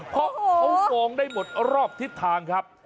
เพราะเขามองได้หมดรอบทิศทางครับ